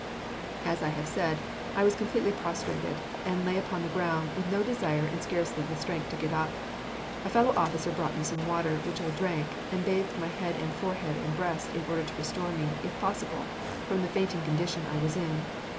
As I have said, I was completely prostrated, and lay upon the ground, with no desire and scarcely the strength to get up. A fellow officer brought me some water, which I drank, and bathed my head and forehead and breast, in order to restore me, if possible, from the fainting condition I was in.